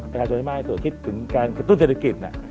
ประชาชนให้มากที่สุดคิดถึงการกระตุ้นเศรษฐกิจ